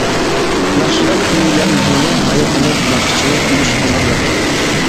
ناخشىدا كۈيلەنگىنى ھايات ئەمەس ناخشىچىنىڭ ئۆلۈش قىزغىنلىقى.